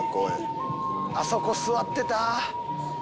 あそこ座ってた！